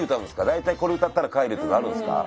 大体これ歌ったら帰るとかあるんすか？